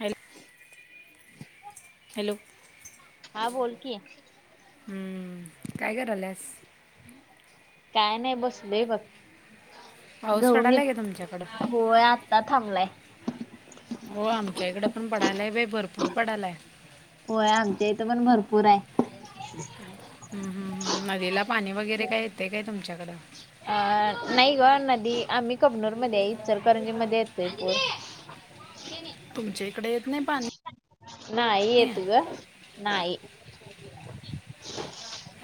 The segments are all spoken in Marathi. हॅल हॅलो हा बोल की हम्म काय करालस काय नाही बसले बग पाऊस घऊ नि पडालाय का तुमच्याकडं? होय आत्ता थांबलाय हो आमच्याकडें पण पडायला आहे वे भरपूर पडाला आहे होय आमच्या इथं पण भरपूर आहे हम्म हम् हम् नदीला पाणी वगैरे काय येते काय तुमच्याकडं अं नाही ग नदी आम्ही कबनूर मध्ये आ चलकरंजी मध्ये येतोय पू तुमच्या इकडे येत नाही पाणी नाही येत ग नाही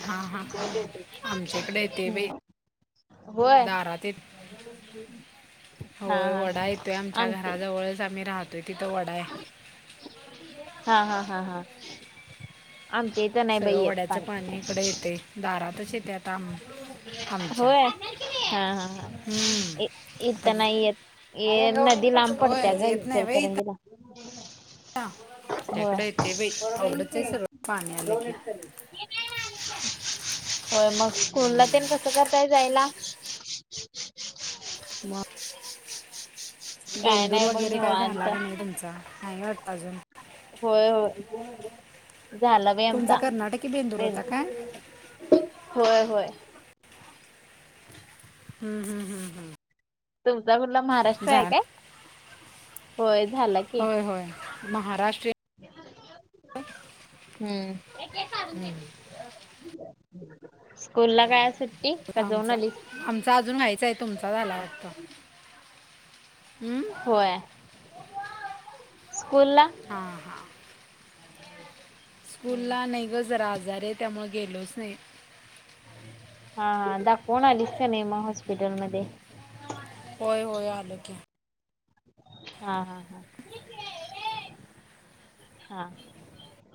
हा हा हा आमच्याकडे य ते वे हम्म होय हा होय हा वडा हा येतोय आमच्या आमचे घराजवळच आम्ही राहतोय तिथं वडा आहे हा हा हा हा आम ते सगळं वड्याचं पाणी इकडे येतये दारातच येते आम आमच्या. होय हा हा हम्म इ-इत आता नाही येत. ये नदी लांब पडत्या होय ग येत नाही व्हय इथं इचलकरंजीला. होय! आमच्याकडे येते बाई आवडत आहे सगळं [unintelligible] पाणी आलं की होय मग कुणला तेण कसं करताय जायला. मग. काय बेंदूर नाही बघ वगैरे काय निवांत. झाला का नाही तुमचा, नाही वाटत अजून. होय, होय झालं बाई तुमचा आमचा कर्नाटकी बेंदूर होता काय बेंदूर. होय, होय! हूं हूं हूं! तुमचा कुठला महाराष्ट्र आहे काय, होय झाला. होय, होय महाराष्ट्र. हूं! ह [inaudible] स्कूल ला काय आज सु होता आमचा. आमचा अजून व्हायचाय, तुमचा झाला वाटतं ऊ. होय स्कूल ला. हां हां! स्कूलला नाही गं जरा आजारी आहे त्यामुळं गेलोच नाही. हा, हा दाखवून आलीस का नाहीे म हॉस्पिटलमदे. होय, होय आलोकी. हा हा हा हा!